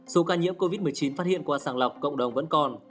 số ca nhiễm covid một mươi chín phát hiện qua sàng lọc cộng đồng vẫn còn